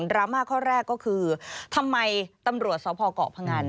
รามาข้อแรกก็คือทำไมตำรวจสพเกาะพงัน